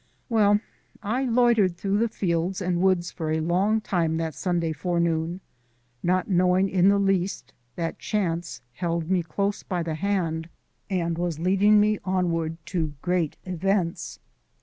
Well, I loitered through the fields and woods for a long time that Sunday forenoon, not knowing in the least that Chance held me close by the hand and was leading me onward to great events.